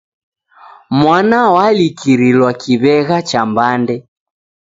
Mwana walikirilwa kiw'egha cha mbande.